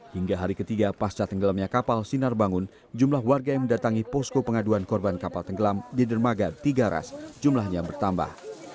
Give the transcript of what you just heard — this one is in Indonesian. hingga hari ketiga pasca tenggelamnya kapal sinar bangun jumlah warga yang mendatangi posko pengaduan korban kapal tenggelam di dermaga tiga ras jumlahnya bertambah